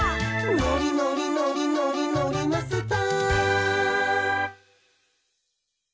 「のりのりのりのりのりマスター」